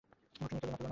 ওটা নিয়ে খেলো না।